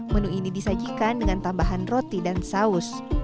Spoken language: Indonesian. menu ini disajikan dengan tambahan roti dan saus